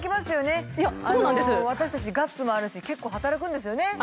私たちガッツもあるし結構働くんですよね。